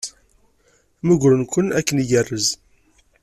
Mmugren-ken akken igerrez.